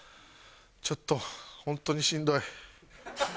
ちょっと本当にしんどい。